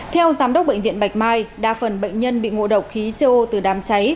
theo giám đốc bệnh viện bạch mai đa phần bệnh nhân bị ngộ độc khí co từ đám cháy